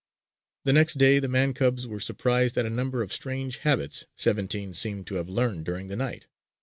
The next day, the man cubs were surprised at a number of strange habits "Seventeen" seemed to have learned during the night.